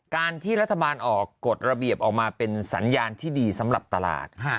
การที่รัฐบาลออกกฎระเบียบออกมาเป็นสัญญาณที่ดีสำหรับตลาด